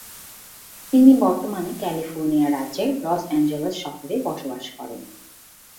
তিনি বর্তমানে ক্যালিফোর্নিয়া রাজ্যের লস অ্যাঞ্জেলেস শহরে বসবাস করেন।